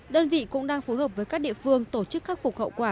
đơn vị cũng đang phối hợp với các địa phương tổ chức khắc phục hậu quả